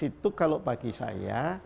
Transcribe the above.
itu kalau bagi saya